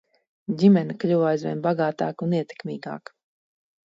Ģimene kļuva aizvien bagātāka un ietekmīgāka.